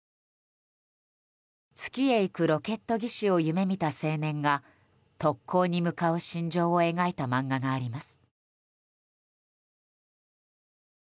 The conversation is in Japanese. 月へ行くロケット技師を夢見た青年が特攻に向かう心情を描いた漫画があります。